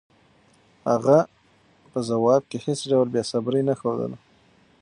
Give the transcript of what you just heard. هغه په ځواب کې هېڅ ډول بېصبري نه ښودله.